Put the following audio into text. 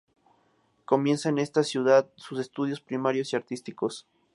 Comienza en esta ciudad sus estudios primarios y artísticos.